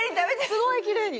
すごいきれいに。